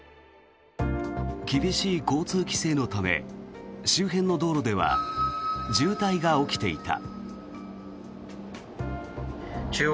厳しい交通規制のため周辺の道路では渋滞が起きていた。